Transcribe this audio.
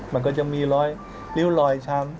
มันก็จะมีรอยริ้วรอยช้ำ